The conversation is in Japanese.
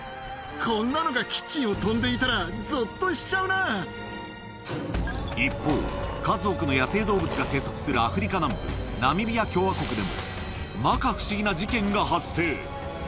こんなのがキッチンを飛んで一方、数多くの野生生物が生息するアフリカ南部、ナミビア共和国でも、まか不思議な事件が発生。